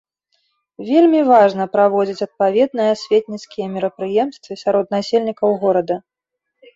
Вельмі важна праводзіць адпаведныя асветніцкія мерапрыемствы сярод насельнікаў горада.